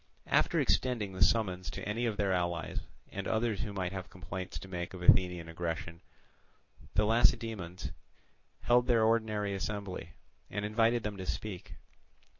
After extending the summons to any of their allies and others who might have complaints to make of Athenian aggression, the Lacedaemonians held their ordinary assembly, and invited them to speak.